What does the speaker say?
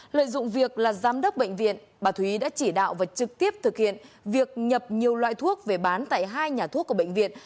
lợi dụng việc là giám đốc bệnh viện bà thúy đã chỉ đạo và trực tiếp thực hiện việc nhập nhiều loại thuốc về bán tại hai nhà thuốc của bệnh viện